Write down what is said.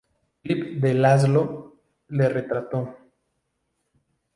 Philip de László le retrató.